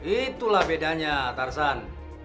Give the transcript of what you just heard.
itulah bedanya tarzan